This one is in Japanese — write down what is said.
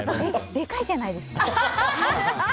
でかいじゃないですか。